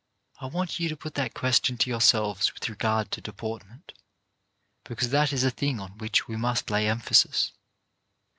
I want you to put that question to yourselves with regard to deportment, because that is a thing on which we must lay emphasis.